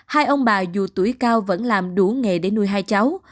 hai ông bà dù tuổi cao vẫn làm đủ nghề để nuôi hai cháu